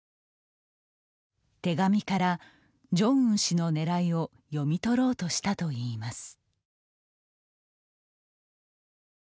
手紙からジョンウン氏のねらいを読み取ろうとしたといいます。